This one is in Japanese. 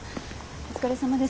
お疲れさまです。